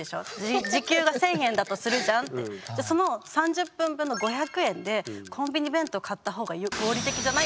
「じゃあその３０分ぶんの５００円でコンビニ弁当買った方が合理的じゃない？」